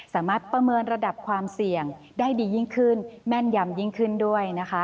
ประเมินระดับความเสี่ยงได้ดียิ่งขึ้นแม่นยำยิ่งขึ้นด้วยนะคะ